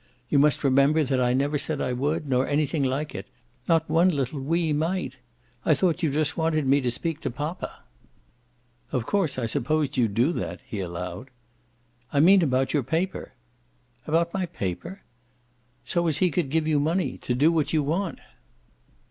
"You must remember that I never said I would nor anything like it; not one little wee mite. I thought you just wanted me to speak to poppa." "Of course I supposed you'd do that," he allowed. "I mean about your paper." "About my paper?" "So as he could give you the money to do what you want."